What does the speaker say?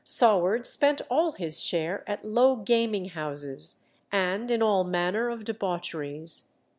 Saward spent all his share at low gaming houses, and in all manner of debaucheries.